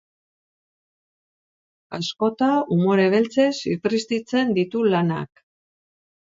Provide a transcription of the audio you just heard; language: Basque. Askota, umore beltzez zipriztintzen ditu lanak.